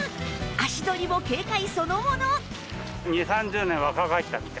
足取りも軽快そのもの！